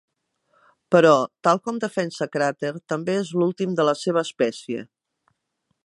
Però, tal com defensa Crater, també és l'últim de la seva espècie.